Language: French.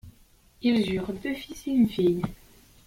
Ils eurent deux fils et une fille.